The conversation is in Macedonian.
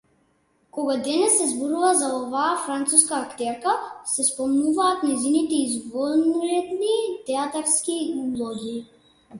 Кога денес се зборува за оваа француска актерка, се спомнуваат нејзините извонредни театарски улоги.